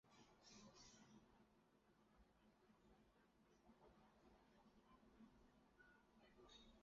曼彻斯特商业管理学院是英国第一所提供工商管理硕士课程的大学。